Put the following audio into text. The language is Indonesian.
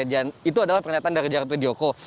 dan itu adalah pernyataan dari jarod widyoko